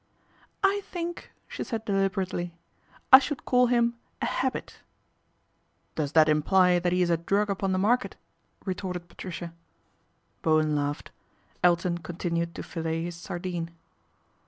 " I think," she said deliberately, " I should call him a habit." " Does that imply that he is a drug upon the market ?" retorted Patricia. Bowen laughed. Elton continued to fillet his sardine.